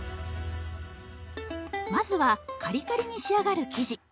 まずはカリカリに仕上がる生地。